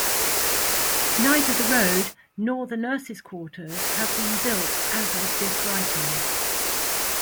Neither the road nor the nurses quarters have been built as of this writing.